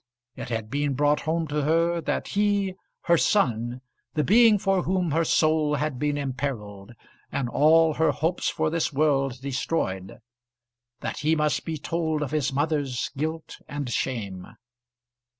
It had been brought home to her that he, her son, the being for whom her soul had been imperilled, and all her hopes for this world destroyed, that he must be told of his mother's guilt and shame.